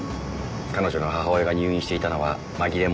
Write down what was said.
彼女の母親が入院していたのは紛れもない事実です。